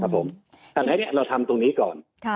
อันนี้เราทำตรงนี้ก่อน